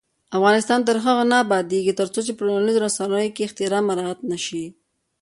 افغانستان تر هغو نه ابادیږي، ترڅو په ټولنیزو رسنیو کې احترام مراعت نشي.